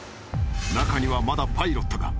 ［中にはまだパイロットが］